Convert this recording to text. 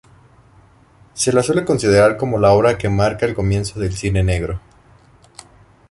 Se la suele considerar como la obra que marca el comienzo del cine negro.